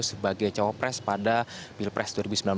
sebagai cowok pres pada pilpres dua ribu sembilan belas